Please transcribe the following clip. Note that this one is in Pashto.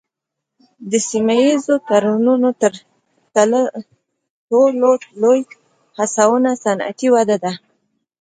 د سیمه ایزو تړونونو تر ټولو لوی هڅونه صنعتي وده ده